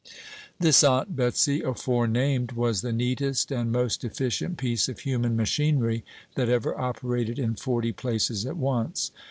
This Aunt Betsey aforenamed was the neatest and most efficient piece of human machinery that ever operated in forty places at once.